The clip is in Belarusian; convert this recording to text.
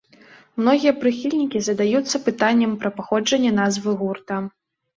Многія прыхільнікі задаюцца пытаннем пра паходжанне назвы гурта.